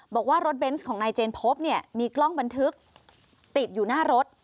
บอกว่ารถเบนส์ของนายเจนพบเนี่ยมีกล้องบันทึกติดอยู่หน้ารถ